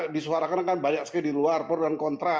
disuarakan kan banyak sekali di luar pro dan kontra